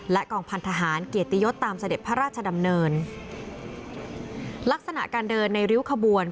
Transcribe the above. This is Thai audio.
กองพันธหารเกียรติยศตามเสด็จพระราชดำเนินลักษณะการเดินในริ้วขบวน